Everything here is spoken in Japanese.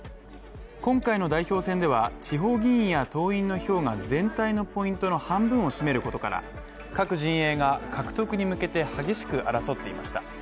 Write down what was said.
今回の代表戦では、地方議員や党員の票が全体のポイントの半分を占めることから、各陣営が獲得に向けて激しく争っていました。